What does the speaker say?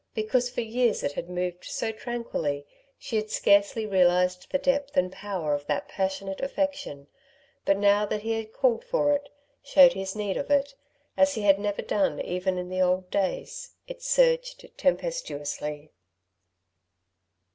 Because for years it had moved so tranquilly, she had scarcely realised the depth and power of that passionate affection, but now that he had called for it, showed his need of it, as he had never done even in the old days, it surged tempestuously.